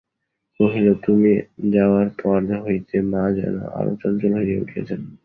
কহিল, তুমি যাওয়ার পর হইতে মা যেন আরো চঞ্চল হইয়া উঠিয়াছেন।